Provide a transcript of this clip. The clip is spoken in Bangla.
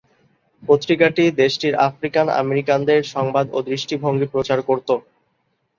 পত্রিকাটি দেশটির "আফ্রিকান আমেরিকানদের সংবাদ ও দৃষ্টিভঙ্গি" প্রচার করতো।